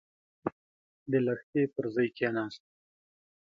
د لښتي پر ژۍکېناست.